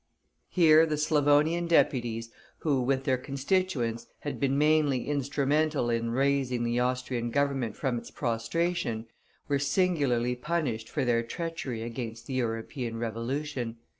Here the Slavonian deputies, who, with their constituents, had been mainly instrumental in raising the Austrian Government from its prostration, were singularly punished for their treachery against the European Revolution.